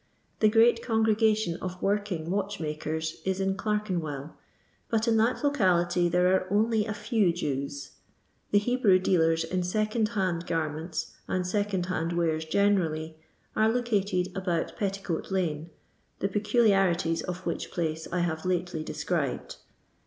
The great congrega tion of working watchmakers is in Clerken well, but in that locality there are only a few Jews. The Hebrew dealers in second hand gar ments, and second hand wares generally, are located about Fetticoat lane, the peculiarities of which place I have lately described.